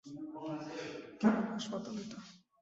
কেমন হাসপাতাল এটা?